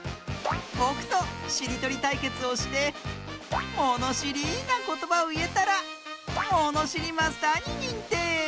ぼくとしりとりたいけつをしてものしりなことばをいえたらものしりマスターににんてい！